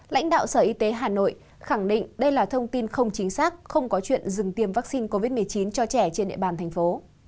lãnh đạo sở y tế hà nội khẳng định đây là thông tin không chính xác không có chuyện dừng tiêm vaccine covid một mươi chín cho trẻ trên địa bàn thành phố